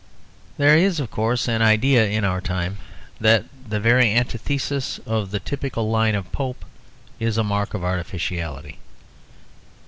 There is, of course, an idea in our time that the very antithesis of the typical line of Pope is a mark of artificiality.